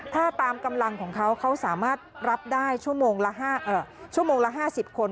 ถ้าตามกำลังของเขาเขาสามารถรับได้ชั่วโมงละชั่วโมงละ๕๐คน